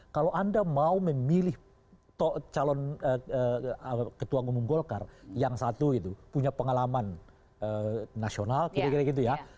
kalau anda mau memilih calon ketua umum golkar yang satu itu punya pengalaman nasional kira kira gitu ya